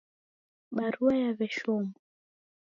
Barua yaw'eshomwa.